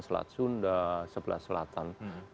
selat sunda sebelah selatan